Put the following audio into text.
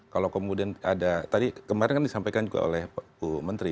kalau kemudian ada tadi kemarin kan disampaikan juga oleh mp mas isan